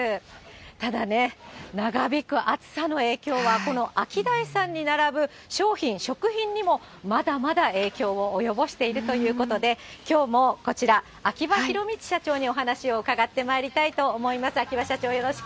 ただね、長引く暑さの影響はこのアキダイさんに並ぶ商品、食品にも、まだまだ影響を及ぼしているということで、きょうもこちら、秋葉弘道社長にお話を伺ってまいりたいと思います。